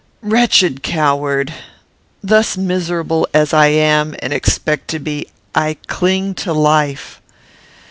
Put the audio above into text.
"Wretched coward! Thus miserable as I am and expect to be, I cling to life.